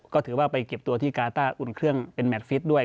ก็ถือว่าไปเก็บตัวที่กาต้าอุ่นเครื่องเป็นแมทฟิตด้วย